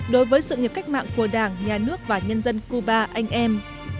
đối với sự nghiệp cách mạng của đảng nhà nước và nhân dân cuba anh em